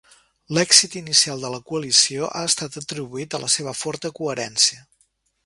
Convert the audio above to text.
L'èxit inicial de la coalició ha estat atribuït a la seva forta coherència.